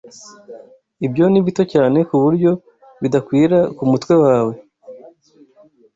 Ibyo ni bito cyane kuburyo bidakwira ku mutwe wawe.